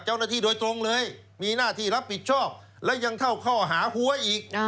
เจ้าหน้าที่โดยตรงเลยมีหน้าที่รับผิดชอบและยังเท่าข้อหาหัวอีก